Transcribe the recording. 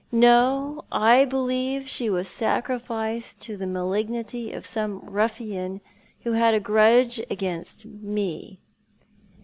No, I believe she was sacrificed to the mah'guity of some ruffian who had a grudge against me."